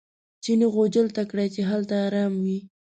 چیني غوجل ته کړئ چې هلته ارام وي.